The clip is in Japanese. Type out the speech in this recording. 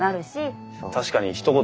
確かにひと言